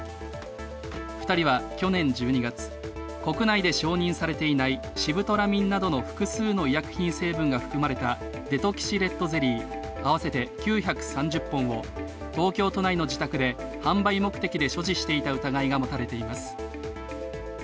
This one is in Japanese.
２人は去年１２月、国内で承認されていないシブトラミンなどの複数の医薬品成分が含まれたデトキシレットゼリー合わせて９３０本を東京都内の自宅で販売目的で所持していた疑いが持たれています。